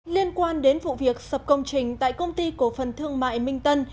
liên quan đến vụ việc sập công trình tại công ty cổ phần thương mại minh tân